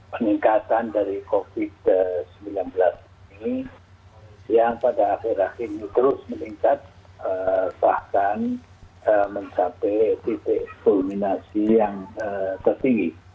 peningkatan dari covid sembilan belas ini yang pada akhir akhir ini terus meningkat bahkan mencapai titik kulminasi yang tertinggi